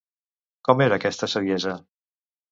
Com era aquesta saviesa?